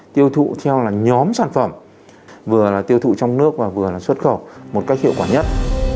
tiêu thụ theo là nhóm sản phẩm vừa là tiêu thụ trong nước và vừa là xuất khẩu một cách hiệu quả nhất